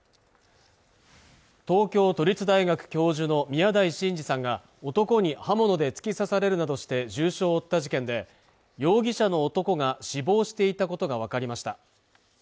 東京都立大学教授の宮台真司さんが男に刃物で突き刺されるなどして重傷を負った事件で容疑者の男が死亡していたことが分かりました